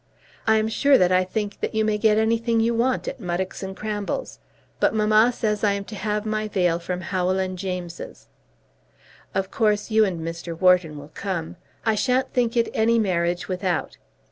I am sure that I think that you may get anything you want at Muddocks and Cramble's. But mamma says I am to have my veil from Howell and James's. Of course you and Mr. Wharton will come. I shan't think it any marriage without.